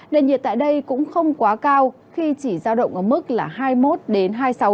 nền nhiệt tại đây cũng không quá cao khi chỉ giao động ở mức là hai mươi một hai mươi sáu độ